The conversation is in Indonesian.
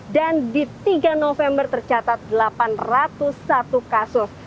dan di tiga november tercatat delapan ratus satu kasus